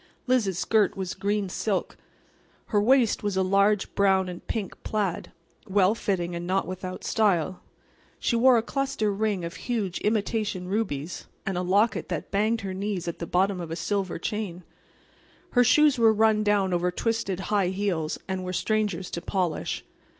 Liz's skirt was green silk. Her waist was a large brown and pink plaid, well fitting and not without style. She wore a cluster ring of huge imitation rubies, and a locket that banged her knees at the bottom of a silver chain. Her shoes were run down over twisted high heels, and were strangers to polish.